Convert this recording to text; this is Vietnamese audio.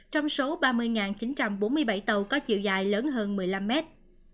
trong số ba mươi chín trăm bốn mươi bảy tàu có chiều dài lớn hơn một mươi năm mét